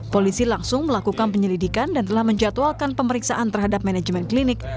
polisi langsung melakukan penyelidikan dan telah menjatuhalkan pemeriksaan terhadap manajemen klinik